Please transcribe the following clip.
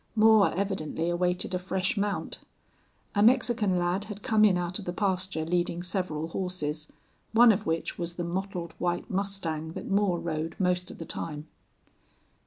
Moore evidently awaited a fresh mount. A Mexican lad had come in out of the pasture leading several horses, one of which was the mottled white mustang that Moore rode most of the time.